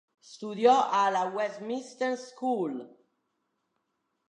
Studiò alla Westminster School.